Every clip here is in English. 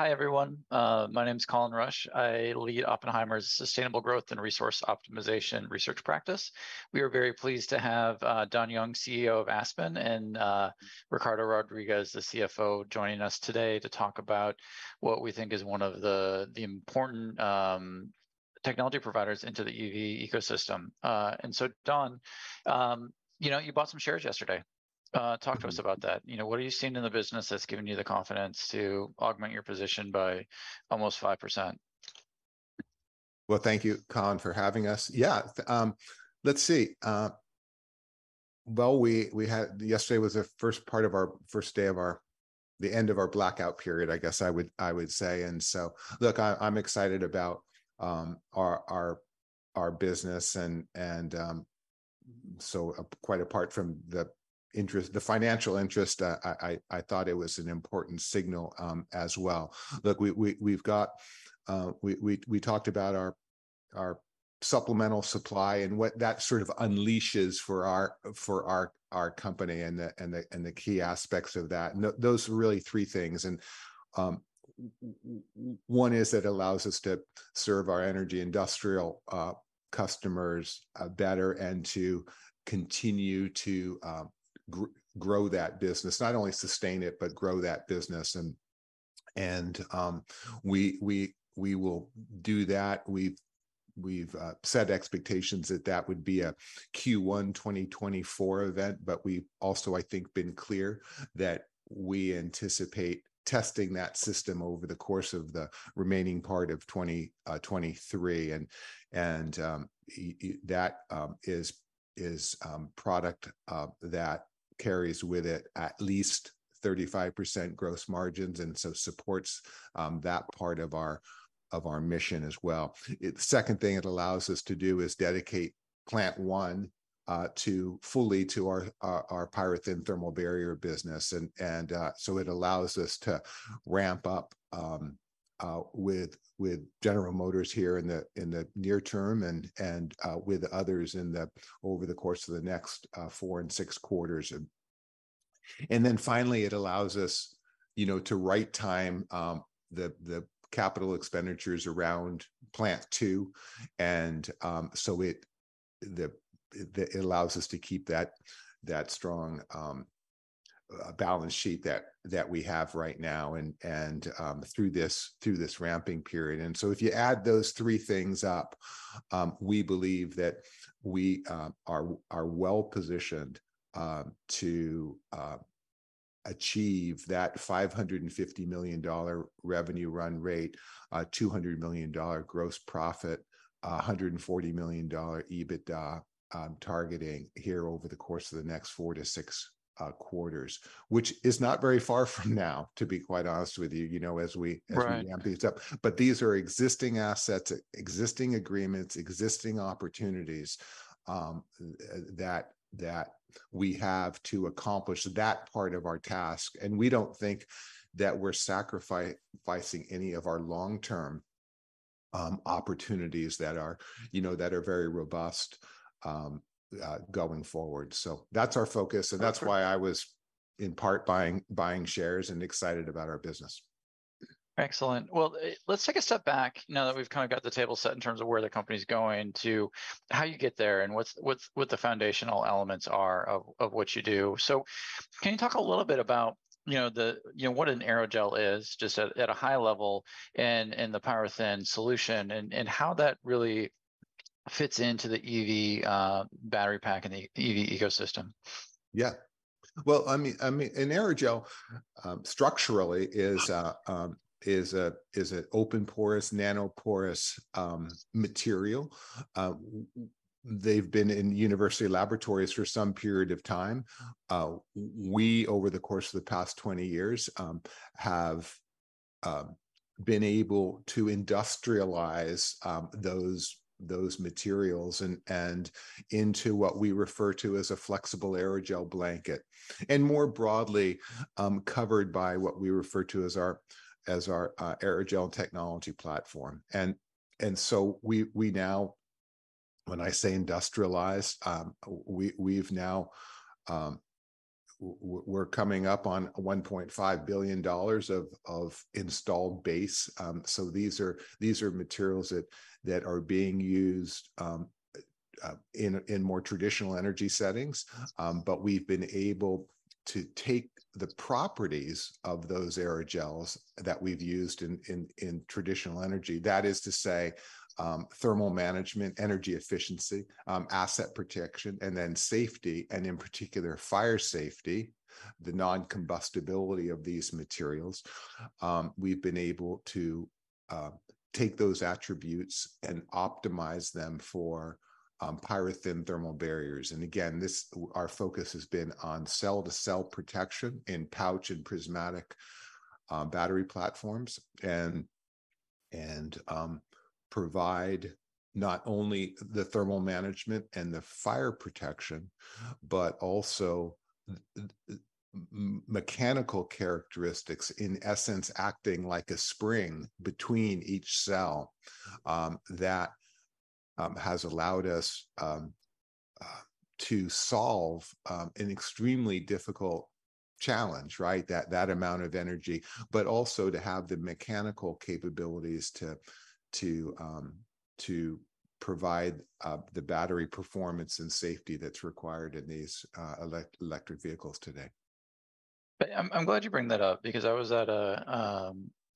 Hi, everyone. My name's Colin Rusch. I lead Oppenheimer's Sustainable Growth & Resource Optimization research practice. We are very pleased to have Don Young, CEO of Aspen, and Ricardo Rodriguez, the CFO, joining us today to talk about what we think is one of the important technology providers into the EV ecosystem. Don, you know, you bought some shares yesterday. Talk to us about that. You know, what are you seeing in the business that's given you the confidence to augment your position by almost 5%? Well, thank you, Colin, for having us. Yeah, th- let's see, well, we had. Yesterday was the first part of our first day of our, the end of our blackout period, I guess I would, I would say. So look, I, I'm excited about our, our, our business, and, so, quite apart from the interest, the financial interest, I, I, I thought it was an important signal as well. Look, we've got. We talked about our supplemental supply and what that sort of unleashes for our, for our, our company, and the, and the, and the key aspects of that. Those are really three things. One is it allows us to serve our Energy Industrial customers better and to continue to grow that business. Not only sustain it, but grow that business. We, we, we will do that. We've, we've set expectations that that would be a Q1 2024 event, but we've also, I think, been clear that we anticipate testing that system over the course of the remaining part of 2023. That is, is product that carries with it at least 35% gross margins, and so supports that part of our, of our mission as well. The second thing it allows us to do is dedicate Plant One to fully to our, our, our PyroThin thermal barrier business. It allows us to ramp up with General Motors here in the, in the near term and, with others in the, over the course of the next, Q4 and Q6 Finally, it allows us, you know, to right time the capital expenditures around Plant Two, and it allows us to keep that strong balance sheet that we have right now and through this, through this ramping period. So if you add those three things up, we believe that we are well-positioned to achieve that $550 million revenue run rate, $200 million gross profit, $140 million EBITDA, targeting here over the course of the next Q4 and Q6 which is not very far from now, to be quite honest with you, you know, as we. Right As we ramp these up. These are existing assets, existing agreements, existing opportunities, that, that we have to accomplish that part of our task, and we don't think that we're sacrificing any of our long-term, opportunities that are, you know, that are very robust, going forward. That's our focus, and that's why I was, in part, buying, buying shares and excited about our business. Excellent. Well, let's take a step back now that we've kind of got the table set in terms of where the company's going to how you get there, and what's, what's, what the foundational elements are of, of what you do. Can you talk a little bit about, you know, the, you know, what an aerogel is, just at, at a high level, and, and the PyroThin solution, and, and how that really fits into the EV battery pack and the EV ecosystem? Yeah. Well, I mean, I mean, an aerogel, structurally is, is a, is a open-porous, nanoporous, material. They've been in university laboratories for some period of time. We, over the course of the past 20 years, have been able to industrialized those, those materials and, and into what we refer to as a flexible aerogel blanket, and more broadly, covered by what we refer to as our, as our, Aerogel Technology Platform. We, we now, when I say industrialized, we've now... We're coming up on $1.5 billion of, of installed base. These are, these are materials that, that are being used, in, in more traditional energy settings. We've been able to take the properties of those aerogels that we've used in, in, in traditional energy, that is to say, thermal management, energy efficiency, asset protection, and then safety, and in particular, fire safety, the non-combustibility of these materials, we've been able to take those attributes and optimize them for PyroThin thermal barriers. Again, this, our focus has been on cell-to-cell protection in pouch and prismatic battery platforms, and, and, provide not only the thermal management and the fire protection, but also mechanical characteristics, in essence, acting like a spring between each cell. That has allowed us to solve an extremely difficult challenge, right? That, that amount of energy, but also to have the mechanical capabilities to provide the battery performance and safety that's required in these electric vehicles today. I'm, I'm glad you bring that up, because I was at a,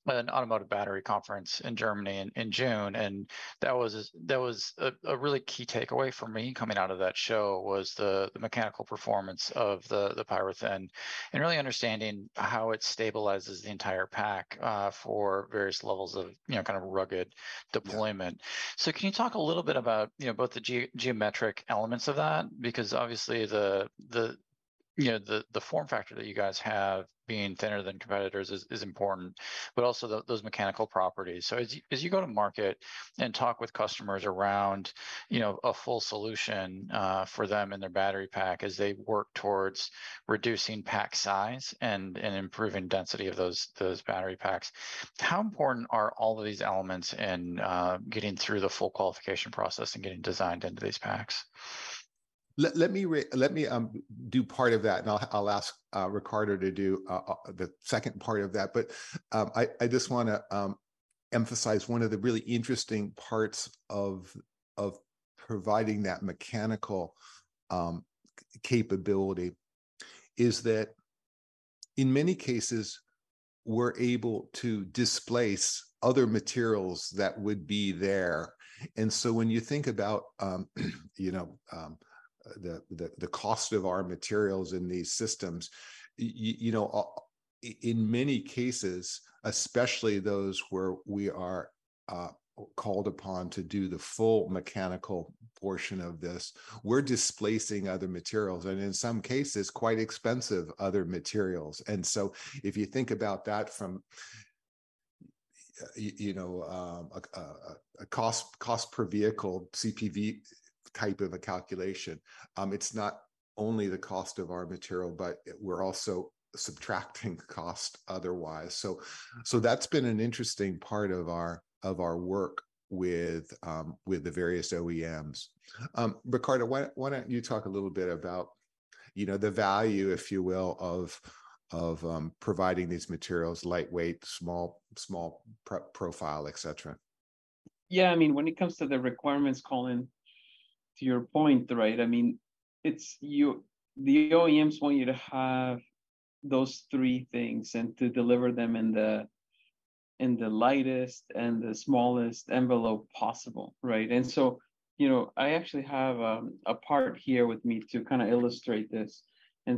an automotive battery conference in Germany in, in June, and that was a, that was a, a really key takeaway for me coming out of that show, was the, the mechanical performance of the, the PyroThin, and really understanding how it stabilizes the entire pack, for various levels of, you know, kind of rugged deployment. Yeah. Can you talk a little bit about, you know, both the geometric elements of that? Because obviously, the, the, you know, the, the form factor that you guys have, being thinner than competitors, is, is important, but also those mechanical properties. As you, as you go to market and talk with customers around, you know, a full solution for them and their battery pack, as they work towards reducing pack size and, and improving density of those, those battery packs, how important are all of these elements in getting through the full qualification process and getting designed into these packs? Let me re... Let me do part of that, and I'll, I'll ask Ricardo to do the second part of that. I, I just wanna emphasize one of the really interesting parts of, of providing that mechanical capability, is that in many cases, we're able to displace other materials that would be there. So when you think about, you know, the, the, the cost of our materials in these systems, y- y- you know, in many cases, especially those where we are called upon to do the full mechanical portion of this, we're displacing other materials, and in some cases, quite expensive other materials. If you think about that from, you know, a cost per vehicle, CPV, type of a calculation, it's not only the cost of our material, but we're also subtracting cost otherwise. That's been an interesting part of our, of our work with, with the various OEMs. Ricardo, why don't, why don't you talk a little bit about, you know, the value, if you will, of providing these materials, lightweight, small, small profile, et cetera? Yeah, I mean, when it comes to the requirements, Colin, to your point, right, I mean, it's you- the OEMs want you to have those 3 things and to deliver them in the, in the lightest and the smallest envelope possible, right? You know, I actually have a part here with me to kind of illustrate this. You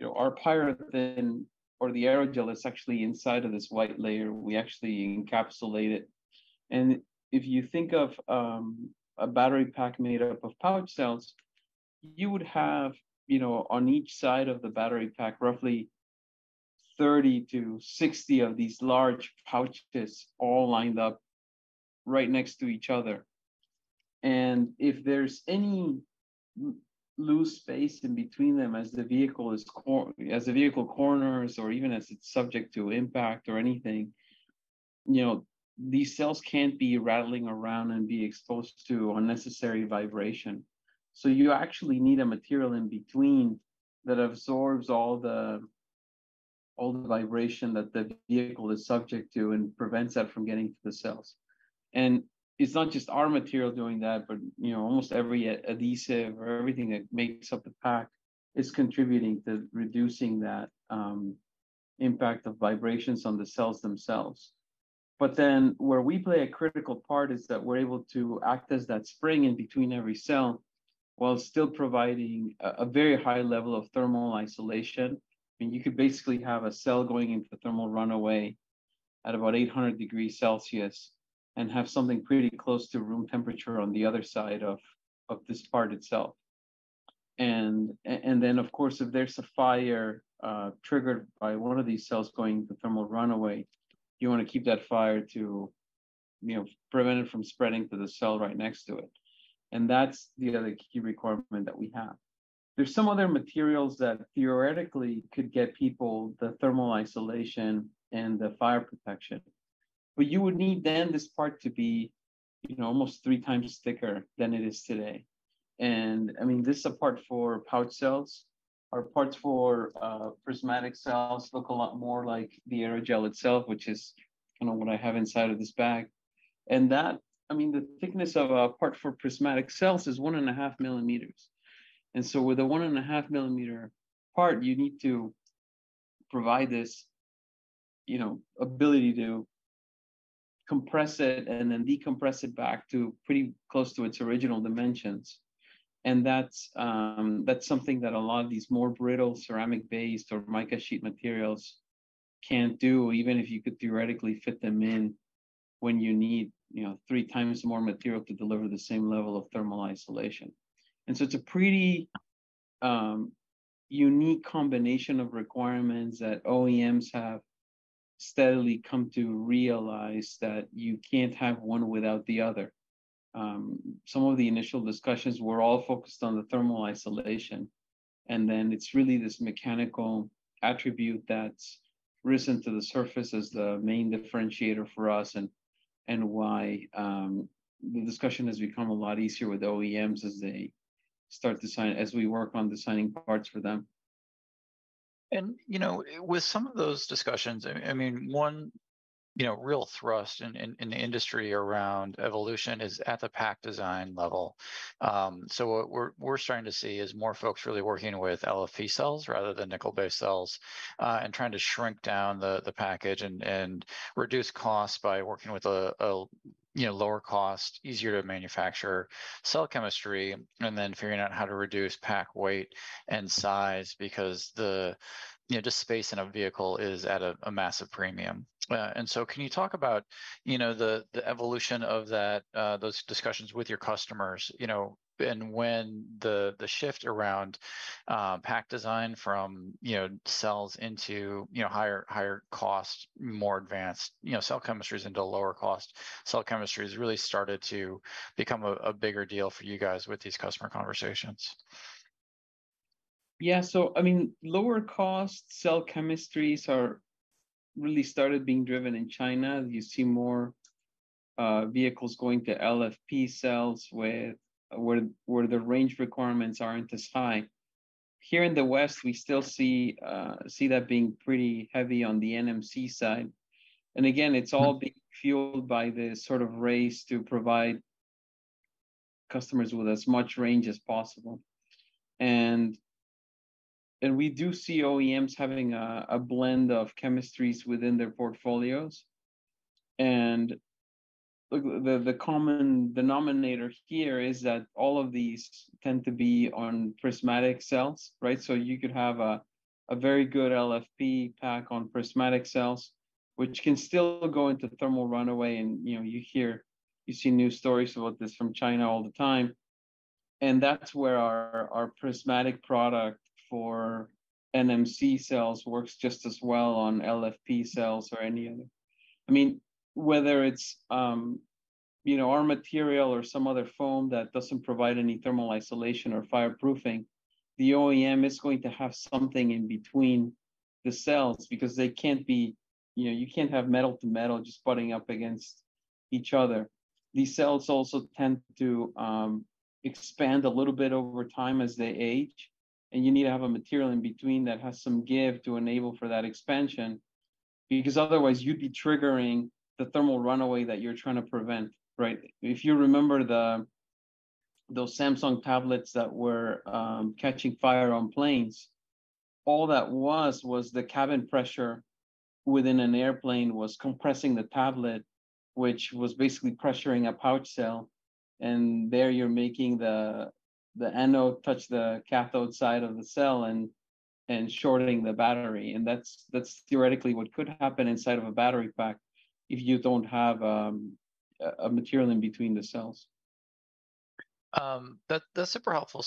know, our PyroThin, or the aerogel, is actually inside of this white layer. We actually encapsulate it. If you think of a battery pack made up of pouch cells, you would have, you know, on each side of the battery pack, roughly 30-60 of these large pouch discs all lined up right next to each other. If there's any loose space in between them as the vehicle corners, or even as it's subject to impact or anything, you know, these cells can't be rattling around and be exposed to unnecessary vibration. You actually need a material in between that absorbs all the, all the vibration that the vehicle is subject to and prevents that from getting to the cells. It's not just our material doing that, but, you know, almost every adhesive or everything that makes up the pack is contributing to reducing that impact of vibrations on the cells themselves. Then, where we play a critical part, is that we're able to act as that spring in between every cell, while still providing a very high level of thermal isolation, and you could basically have a cell going into thermal runaway at about 800 degrees Celsius, and have something pretty close to room temperature on the other side of this part itself. Then, of course, if there's a fire, triggered by one of these cells going to thermal runaway, you wanna keep that fire to, you know, prevent it from spreading to the cell right next to it, and that's the other key requirement that we have. There's some other materials that theoretically could get people the thermal isolation and the fire protection, but you would need then this part to be, you know, almost 3 times thicker than it is today. I mean, this is a part for pouch cells. Our parts for prismatic cells look a lot more like the aerogel itself, which is kind of what I have inside of this bag. That, I mean, the thickness of a part for prismatic cells is 1.5 millimeters. So with a 1.5 millimeter part, you need to provide this, you know, ability to compress it, and then decompress it back to pretty close to its original dimensions. That's something that a lot of these more brittle, ceramic-based or mica sheet materials can't do, even if you could theoretically fit them in, when you need, you know, 3 times more material to deliver the same level of thermal isolation. It's a pretty, unique combination of requirements that OEMs have steadily come to realize, that you can't have one without the other. Some of the initial discussions were all focused on the thermal isolation. And then it's really this mechanical attribute that's risen to the surface as the main differentiator for us, and, and why, the discussion has become a lot easier with OEMs as they start as we work on designing parts for them. You know, with some of those discussions, I, I mean, one, you know, real thrust in, in, in the industry around evolution is at the pack design level. So what we're, we're starting to see is more folks really working with LFP cells rather than nickel-based cells, and trying to shrink down the, the package and, and reduce costs by working with a, a, you know, lower cost, easier-to-manufacture cell chemistry, and then figuring out how to reduce pack weight and size because the, you know, just space in a vehicle is at a, a massive premium. So can you talk about, you know, the, the evolution of that, those discussions with your customers, you know, and when the, the shift around, pack design from, you know, cells into, you know, higher, higher cost, more advanced, you know, cell chemistries into lower cost cell chemistries really started to become a, a bigger deal for you guys with these customer conversations? Yeah, I mean, lower cost cell chemistries are really started being driven in China. You see more vehicles going to LFP cells, where the range requirements aren't as high. Here in the West, we still see that being pretty heavy on the NMC side. Again, it's all being fueled by the sort of race to provide customers with as much range as possible. We do see OEMs having a blend of chemistries within their portfolios. The common denominator here is that all of these tend to be on prismatic cells, right? You could have a very good LFP pack on prismatic cells, which can still go into thermal runaway, and, you know, you see news stories about this from China all the time. That's where our, our prismatic product for NMC cells works just as well on LFP cells or any other. I mean, whether it's, you know, our material or some other foam that doesn't provide any thermal isolation or fireproofing, the OEM is going to have something in between the cells because they can't be... you know, you can't have metal to metal just butting up against each other. These cells also tend to expand a little bit over time as they age, and you need to have a material in between that has some give to enable for that expansion, because otherwise you'd be triggering the thermal runaway that you're trying to prevent, right? If you remember the, those Samsung tablets that were catching fire on planes, all that was, was the cabin pressure within an airplane was compressing the tablet, which was basically pressuring a pouch cell, and there you're making the, the anode touch the cathode side of the cell and, and shorting the battery. That's, that's theoretically what could happen inside of a battery pack if you don't have a material in between the cells. That, that's super helpful.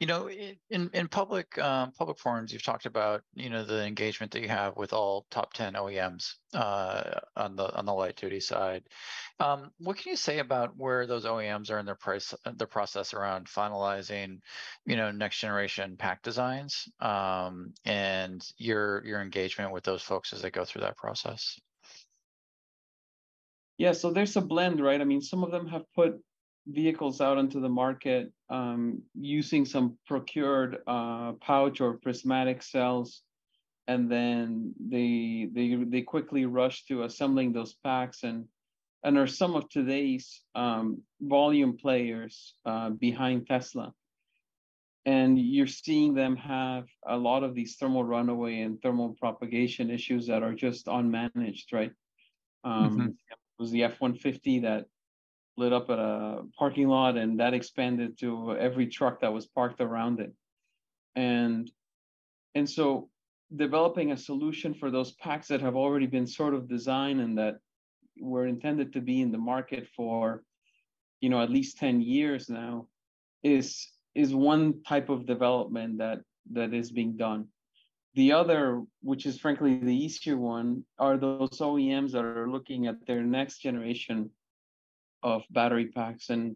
You know, in, in, in public, public forums, you've talked about, you know, the engagement that you have with all top 10 OEMs, on the, on the light duty side. What can you say about where those OEMs are in their price- their process around finalizing, you know, next generation pack designs, and your, your engagement with those folks as they go through that process? Yeah, so there's a blend, right? I mean, some of them have put vehicles out into the market, using some procured, pouch or prismatic cells, and then they, they, they quickly rushed to assembling those packs and, and are some of today's, volume players, behind Tesla. You're seeing them have a lot of these thermal runaway and thermal propagation issues that are just unmanaged, right? Mm-hmm. It was the F-150 that lit up at a parking lot, and that expanded to every truck that was parked around it. So developing a solution for those packs that have already been sort of designed and that were intended to be in the market for, you know, at least 10 years now, is one type of development that is being done. The other, which is frankly the easier one, are those OEMs that are looking at their next generation of battery packs and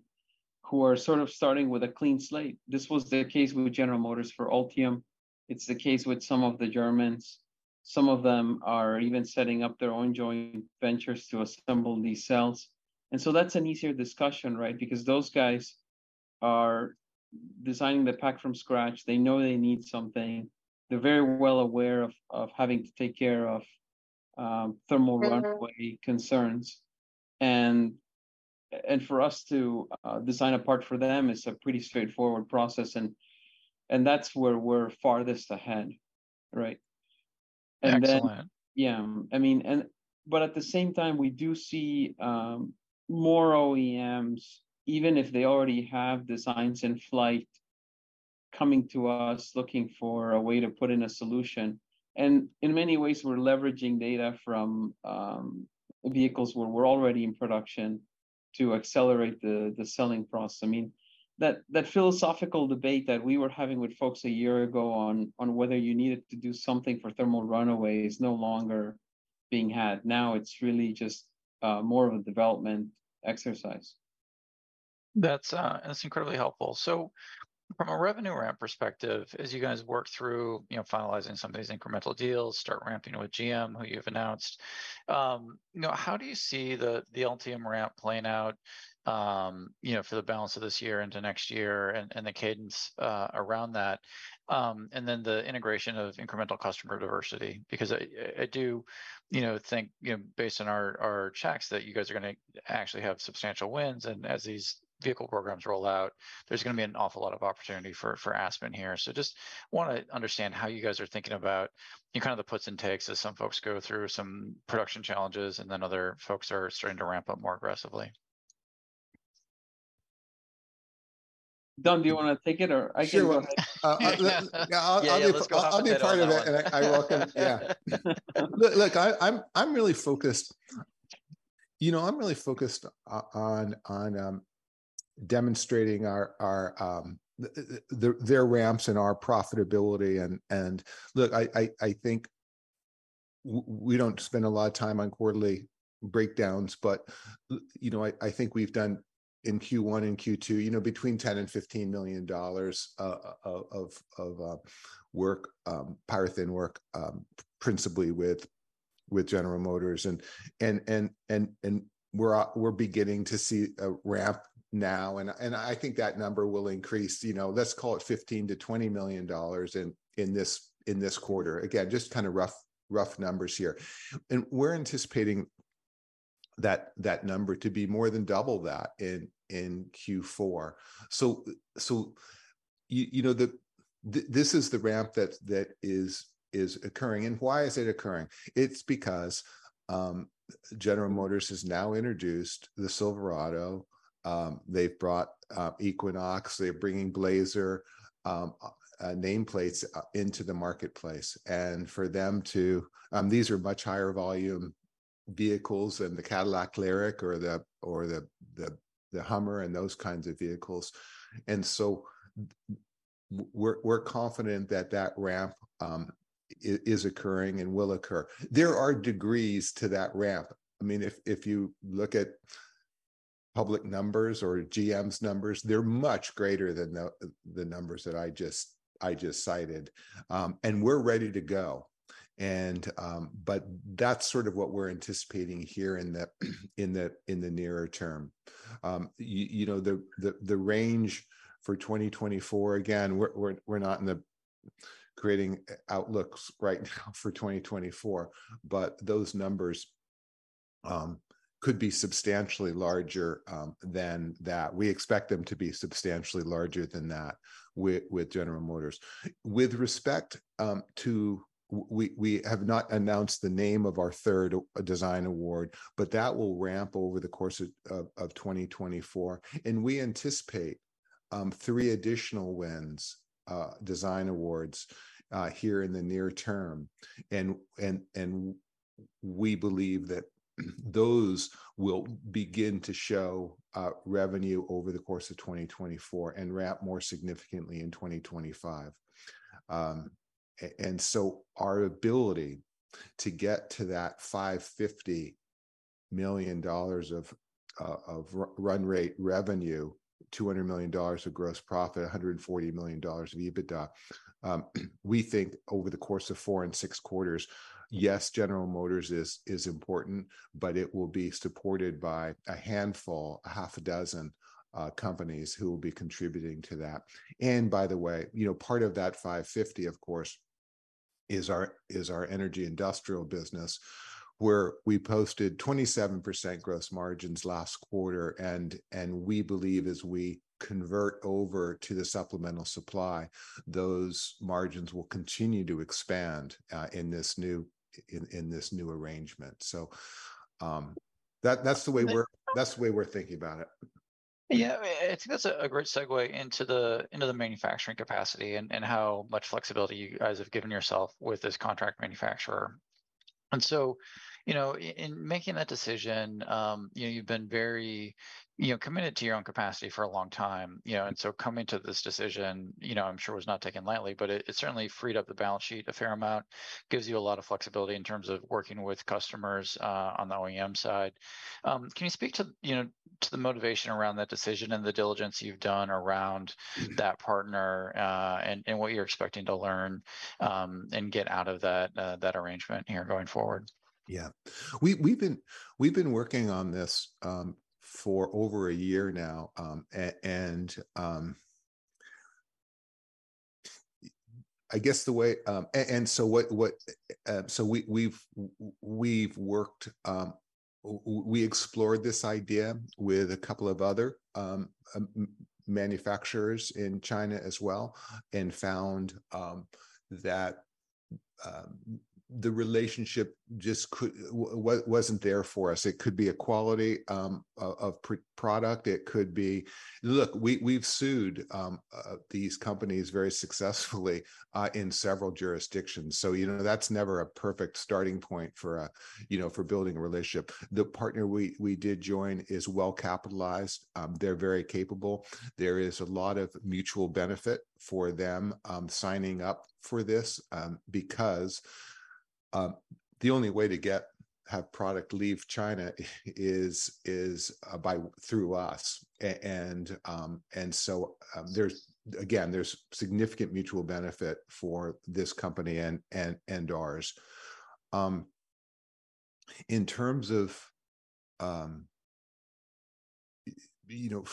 who are sort of starting with a clean slate. This was the case with General Motors for Ultium. It's the case with some of the Germans. Some of them are even setting up their own joint ventures to assemble these cells. So that's an easier discussion, right? Because those guys are designing the pack from scratch. They know they need something. They're very well aware of, of having to take care of, thermal- Mm-hmm Runaway concerns. For us to design a part for them, it's a pretty straightforward process, and and that's where we're farthest ahead, right? Then. Excellent. Yeah, I mean, but at the same time, we do see, more OEMs, even if they already have designs in flight, coming to us, looking for a way to put in a solution. In many ways, we're leveraging data from, vehicles where we're already in production to accelerate the, the selling process. I mean, that, that philosophical debate that we were having with folks a year ago on, on whether you needed to do something for thermal runaway is no longer being had. Now, it's really just, more of a development exercise. That's, that's incredibly helpful. From a revenue ramp perspective, as you guys work through, you know, finalizing some of these incremental deals, start ramping with GM, who you've announced, you know, how do you see the Ultium ramp playing out, you know, for the balance of this year into next year, and, and the cadence around that? Then the integration of incremental customer diversity, because I, I do, you know, think, you know, based on our, our checks, that you guys are gonna actually have substantial wins, and as these vehicle programs roll out, there's gonna be an awful lot of opportunity for, for Aspen here. Just wanna understand how you guys are thinking about, you know, kind of the puts and takes as some folks go through some production challenges, and then other folks are starting to ramp up more aggressively. Don, do you wanna take it, or I can- Sure. yeah, I'll be- Yeah, yeah, let's go- I'll be part of it, and I welcome. Yeah. Look, I, I'm, I'm really focused. You know, I'm really focused on, on demonstrating our, our, the, the, their ramps and our profitability. Look, I, I, I think we don't spend a lot of time on quarterly breakdowns, but, you know, I, I think we've done, in Q1 and Q2, you know, between $10 million-$15 million of work, PyroThin work, principally with General Motors. we're beginning to see a ramp now, and I think that number will increase, you know, let's call it $15 million-$20 million in this quarter. Again, just kind of rough, rough numbers here. we're anticipating that number to be more than double that in Q4. You know, this is the ramp that, that is, is occurring. Why is it occurring? It's because General Motors has now introduced the Silverado, they've brought Equinox, they're bringing Blazer nameplates into the marketplace. For them to, these are much higher volume vehicles than the Cadillac lyriq or the, or the, the, the Hummer and those kinds of vehicles. We're, we're confident that that ramp is occurring and will occur. There are degrees to that ramp. I mean, if, if you look at public numbers or GM's numbers, they're much greater than the, the numbers that I just, I just cited. We're ready to go. That's sort of what we're anticipating here in the, in the, in the nearer term. You know, the, the, the range for 2024, again, we're, we're, we're not in the creating outlooks right now for 2024, but those numbers could be substantially larger than that. We expect them to be substantially larger than that with, with General Motors. With respect to we, we have not announced the name of our third design award, but that will ramp over the course of 2024. We anticipate three additional wins, design awards, here in the near term. We believe that, those will begin to show revenue over the course of 2024, and ramp more significantly in 2025. And so our ability to get to that $550 million of run-rate revenue, $200 million of gross profit, $140 million of EBITDA, we think over the course of Q4 and Q6, yes, General Motors is important, but it will be supported by a handful, a half a dozen companies who will be contributing to that. By the way, you know, part of that 550, of course, is our Energy Industrial business, where we posted 27% gross margins last quarter, and we believe as we convert over to the supplemental supply, those margins will continue to expand in this new, in this new arrangement. That, that's the way we're- And That's the way we're thinking about it. Yeah, I think that's a great segue into the manufacturing capacity and how much flexibility you guys have given yourself with this contract manufacturer. So, you know, in making that decision, you know, you've been very, you know, committed to your own capacity for a long time, you know? So coming to this decision, you know, I'm sure was not taken lightly, but it certainly freed up the balance sheet a fair amount, gives you a lot of flexibility in terms of working with customers on the OEM side. Can you speak to, you know, to the motivation around that decision and the diligence you've done around- Mm-hmm That partner, and, and what you're expecting to learn, and get out of that, that arrangement here going forward? Yeah. We, we've been, we've been working on this for over a year now. I guess the way... What, what, we, we've worked, we explored this idea with a couple of other manufacturers in China as well, and found that the relationship just wasn't there for us. It could be a quality of product, it could be... Look, we, we've sued these companies very successfully, in several jurisdictions, so, you know, that's never a perfect starting point for a, you know, for building a relationship. The partner we, we did join is well-capitalized. They're very capable. There is a lot of mutual benefit for them, signing up for this, because. The only way to get, have product leave China is, is by through us. So, there's, again, there's significant mutual benefit for this company and, and, and ours. In terms of, you know,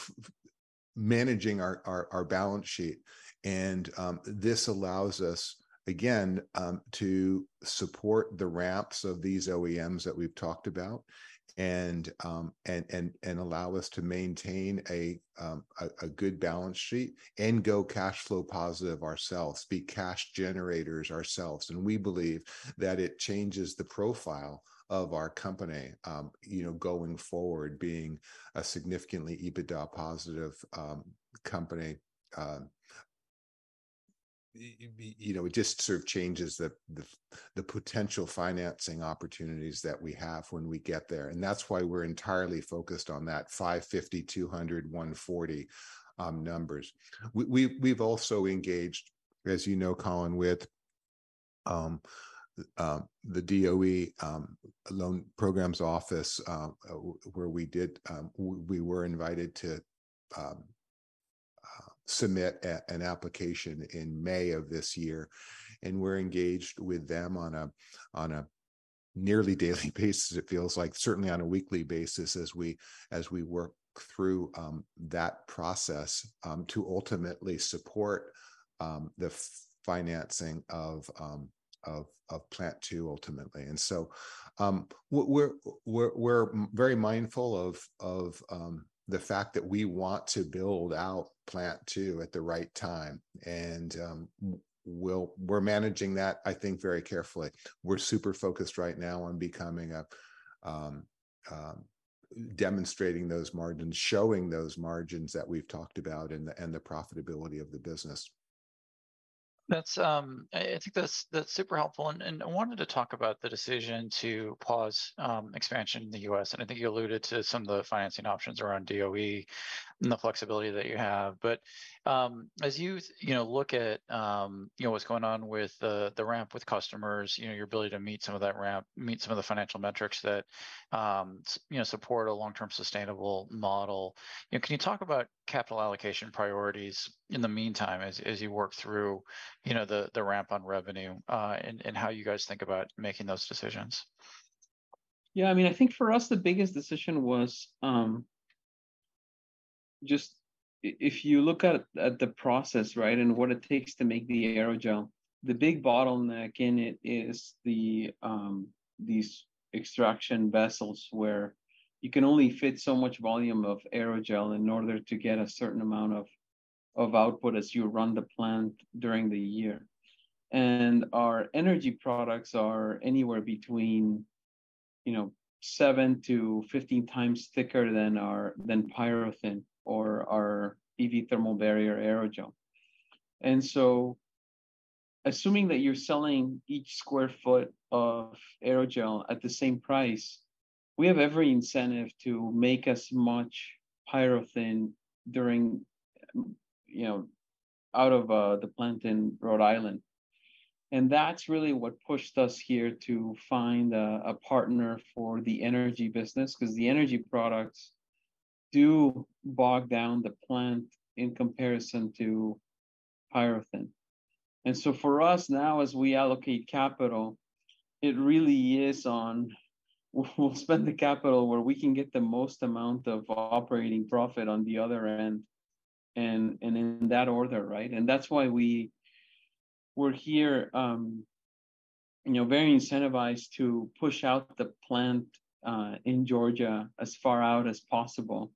managing our, our, our balance sheet, and, this allows us, again, to support the ramps of these OEMs that we've talked about, and, and, and allow us to maintain a, a good balance sheet and go cash flow positive ourselves, be cash generators ourselves. We believe that it changes the profile of our company, you know, going forward, being a significantly EBITDA-positive, company. You know, it just sort of changes the potential financing opportunities that we have when we get there. That's why we're entirely focused on that $550, $200, $140 numbers. We've also engaged, as you know, Colin Rusch, with the DOE Loan Programs Office, where we did. We were invited to submit an application in May of this year, and we're engaged with them on a nearly daily basis, it feels like, certainly on a weekly basis as we work through that process to ultimately support the financing of Plant Two ultimately. We're very mindful of the fact that we want to build out Plant Two at the right time. We're managing that, I think, very carefully. We're super focused right now on becoming a demonstrating those margins, showing those margins that we've talked about, and the and the profitability of the business. That's, I think that's, that's super helpful. I wanted to talk about the decision to pause expansion in the US, and I think you alluded to some of the financing options around DOE and the flexibility that you have. As you, you know, look at, you know, what's going on with the, the ramp with customers, you know, your ability to meet some of that ramp, meet some of the financial metrics that, you know, support a long-term sustainable model, you know, can you talk about capital allocation priorities in the meantime as, as you work through, you know, the, the ramp on revenue, and, and how you guys think about making those decisions? Yeah, I mean, I think for us, the biggest decision was, if you look at, at the process, right, and what it takes to make the aerogel, the big bottleneck in it is the these extraction vessels, where you can only fit so much volume of aerogel in order to get a certain amount of, of output as you run the plant during the year. Our Energy Industrial products are anywhere between, you know, 7 to 15 times thicker than our, than PyroThin or our EV thermal barrier aerogel. Assuming that you're selling each square foot of aerogel at the same price, we have every incentive to make as much PyroThin during, you know, out of the plant in Rhode Island. That's really what pushed us here to find a, a partner for the energy business, 'cause the energy products do bog down the plant in comparison to PyroThin. For us now, as we allocate capital, we'll spend the capital where we can get the most amount of operating profit on the other end and, and in that order, right? That's why we're here, you know, very incentivized to push out the plant in Georgia as far out as possible,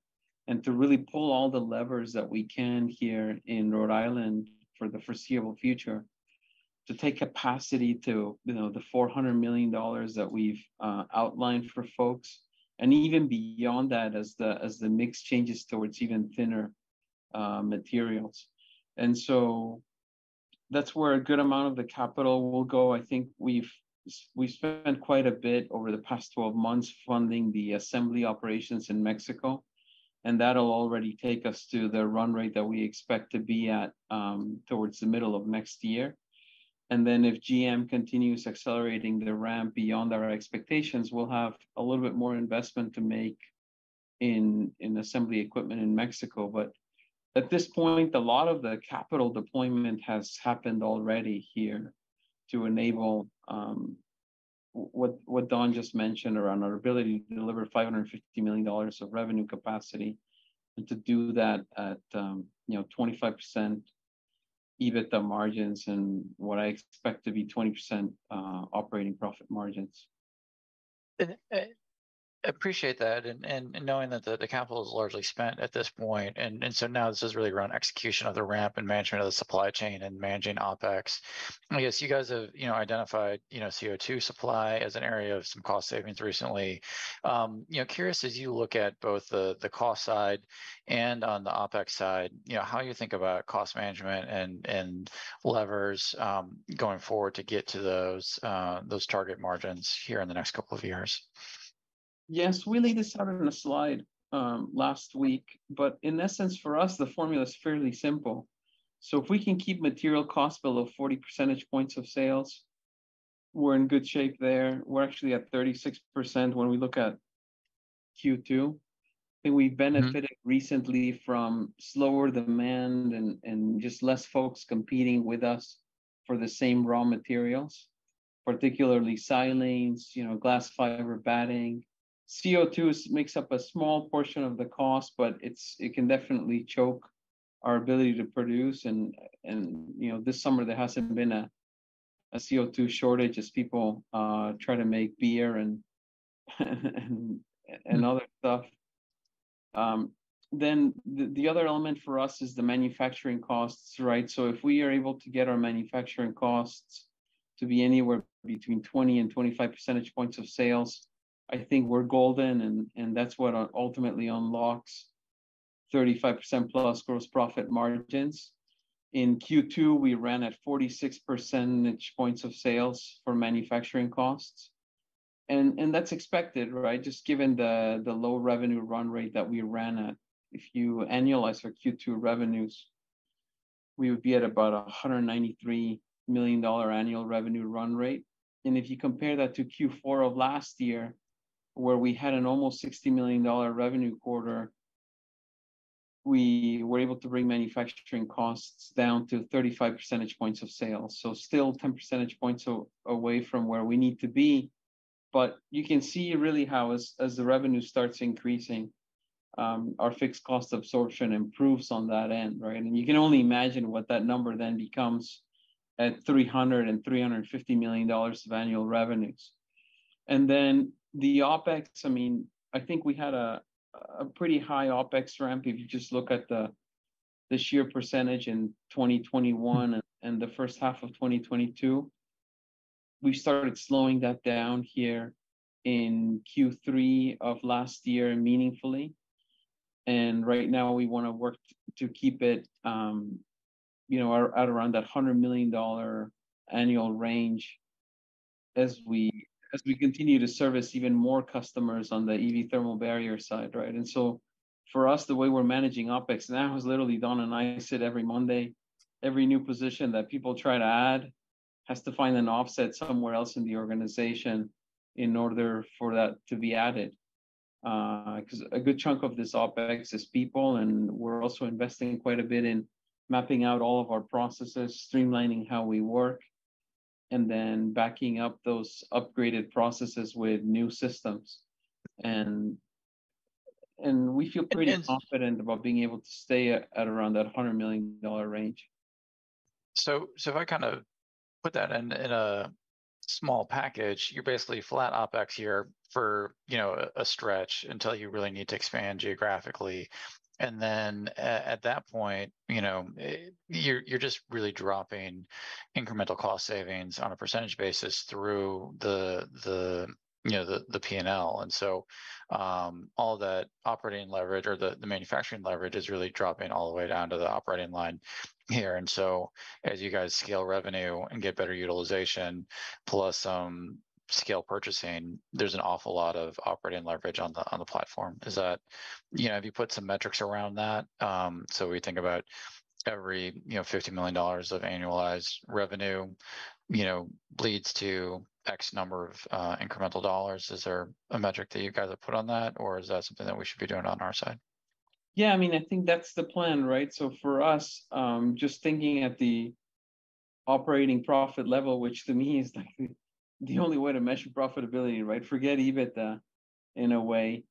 and to really pull all the levers that we can here in Rhode Island for the foreseeable future, to take capacity to, you know, the $400 million that we've outlined for folks, and even beyond that, as the, as the mix changes towards even thinner materials. So that's where a good amount of the capital will go. I think we've spent quite a bit over the past 12 months funding the assembly operations in Mexico, that'll already take us to the run rate that we expect to be at towards the middle of next year. Then, if GM continues accelerating the ramp beyond our expectations, we'll have a little bit more investment to make in assembly equipment in Mexico. At this point, a lot of the capital deployment has happened already here to enable what Don just mentioned around our ability to deliver $550 million of revenue capacity, and to do that at, you know, 25% EBITDA margins and what I expect to be 20% operating profit margins. Appreciate that, and knowing that the capital is largely spent at this point, and so now this is really around execution of the ramp and management of the supply chain and managing OpEx. I guess you guys have, you know, identified, you know, CO2 supply as an area of some cost savings recently. You know, curious, as you look at both the cost side and on the OpEx side, you know, how you think about cost management and levers going forward to get to those target margins here in the next couple of years? Yes, we laid this out on a slide, last week, but in essence, for us, the formula is fairly simple. If we can keep material costs below 40 percentage points of sales, we're in good shape there. We're actually at 36% when we look at Q2. Mm-hmm Benefited recently from slower demand and just less folks competing with us for the same raw materials, particularly silanes, you know, glass fiber batting. CO2 makes up a small portion of the cost, but it can definitely choke our ability to produce. you know, this summer there hasn't been a CO2 shortage as people try to make beer and other stuff. Then the other element for us is the manufacturing costs, right? If we are able to get our manufacturing costs to be anywhere between 20 and 25 percentage points of sales, I think we're golden, and that's what ultimately unlocks 35% plus gross profit margins. In Q2, we ran at 46 percentage points of sales for manufacturing costs, and that's expected, right? Just given the, the low revenue run rate that we ran at. If you annualize our Q2 revenues, we would be at about a $193 million annual revenue run rate. If you compare that to Q4 of last year, where we had an almost $60 million revenue quarter, we were able to bring manufacturing costs down to 35 percentage points of sale. Still 10 percentage points away from where we need to be, but you can see really how as, as the revenue starts increasing, our fixed cost absorption improves on that end, right? You can only imagine what that number then becomes at $300 million-$350 million of annual revenues. Then the OpEx, I mean, I think we had a, a pretty high OpEx ramp. If you just look at the, the sheer percentage in 2021 and the first half of 2022, we started slowing that down here in Q3 of last year meaningfully. Right now, we wanna work to keep it, you know, at around that $100 million annual range as we continue to service even more customers on the EV thermal barrier side, right? For us, the way we're managing OpEx, and that was literally Don and I sit every Monday, every new position that people try to add, has to find an offset somewhere else in the organization in order for that to be added. Cause a good chunk of this OpEx is people, and we're also investing quite a bit in mapping out all of our processes, streamlining how we work, and then backing up those upgraded processes with new systems. We feel pretty- And- Confident about being able to stay at, at around that $100 million range. So if I kind of put that in, in a small package, you're basically flat OpEx here for, you know, a, a stretch until you really need to expand geographically. Then at, at that point, you know, you're, you're just really dropping incremental cost savings on a % basis through the, the, you know, the, the P&L. All that operating leverage or the, the manufacturing leverage is really dropping all the way down to the operating line here. As you guys scale revenue and get better utilization, plus some scale purchasing, there's an awful lot of operating leverage on the, on the platform. Is that... You know, have you put some metrics around that? We think about every, you know, $50 million of annualized revenue, you know, leads to X number of incremental dollars. Is there a metric that you guys have put on that, or is that something that we should be doing on our side? Yeah, I mean, I think that's the plan, right? For us, just thinking at the operating profit level, which to me, is, like, the only way to measure profitability, right? Forget EBITDA in a way.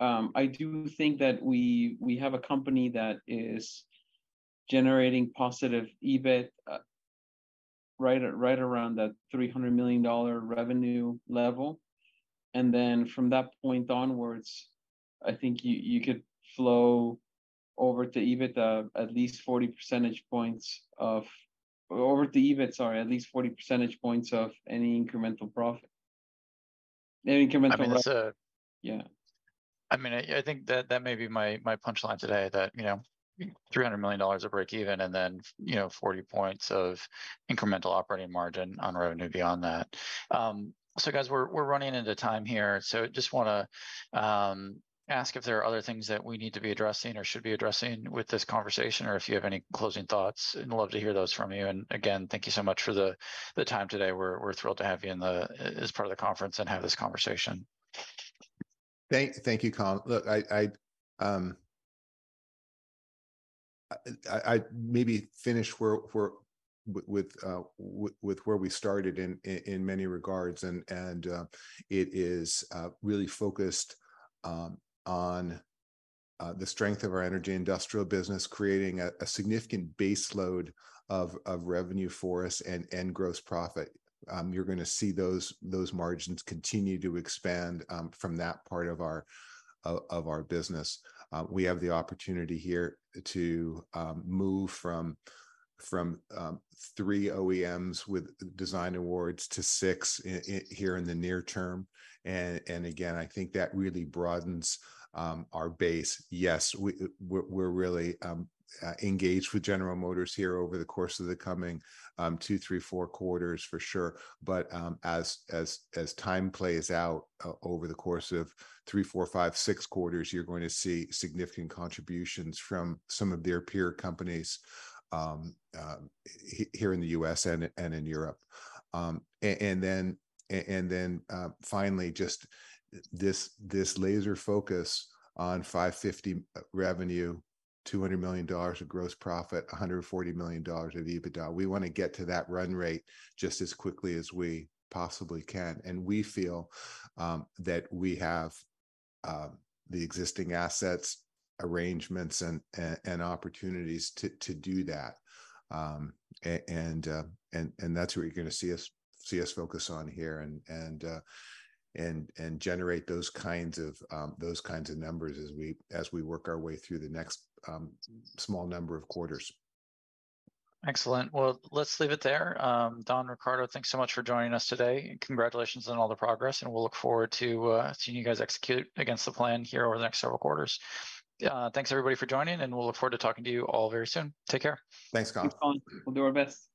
I do think that we, we have a company that is generating positive EBIT, right at, right around that $300 million revenue level. Then from that point onwards, I think you, you could flow over to EBITDA at least 40 percentage points of... Over to EBIT, sorry, at least 40 percentage points of any incremental profit. Any incremental profit- I mean, it's. Yeah. I mean, I, I think that, that may be my, my punchline today, that, you know, $300 million of break even and then, you know, 40 points of incremental operating margin on revenue beyond that. Guys, we're, we're running out of time here, so just wanna ask if there are other things that we need to be addressing or should be addressing with this conversation, or if you have any closing thoughts, I'd love to hear those from you. Again, thank you so much for the, the time today. We're, we're thrilled to have you in the... As, as part of the conference and have this conversation. Thank, thank you, Colin. Look, I, I, I, I, maybe finish where, where, with, with, with, with where we started in, in, in many regards, it is really focused on the strength of our Energy Industrial business, creating a significant base load of revenue for us and gross profit. You're gonna see those, those margins continue to expand from that part of our, of, of our business. We have the opportunity here to move from, from, three OEMs with design awards to six in, in here in the near term. Again, I think that really broadens our base. Yes, we, we're, we're really engaged with General Motors here over the course of the coming Q2, Q3, Q4, for sure. As time plays out over the course of Q3, Q4, Q5, Q6 you're going to see significant contributions from some of their peer companies here in the U.S. and in Europe. Finally, just this laser focus on $550 million revenue, $200 million of gross profit, $140 million of EBITDA. We wanna get to that run rate just as quickly as we possibly can, and we feel that we have the existing assets, arrangements, and opportunities to do that. That's where you're gonna see us, see us focus on here and, and, and, and generate those kinds of, those kinds of numbers as we, as we work our way through the next, small number of quarters. Excellent. Well, let's leave it there. Don, Ricardo, thanks so much for joining us today, and congratulations on all the progress, and we'll look forward to seeing you guys execute against the plan here over the next several quarters. Thanks everybody for joining, and we'll look forward to talking to you all very soon. Take care. Thanks, Colin. Thanks, Colin. We'll do our best. Thank you.